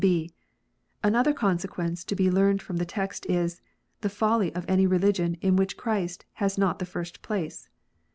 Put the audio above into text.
(b) Another consequence to be learned from the text is, the folly of any religion in which Christ has not the first place.